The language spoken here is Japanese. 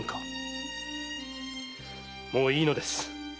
もういいのです。